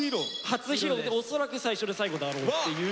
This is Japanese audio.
初披露で恐らく最初で最後だろうっていう。